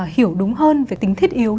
hiểu đúng hơn về tính thiết yếu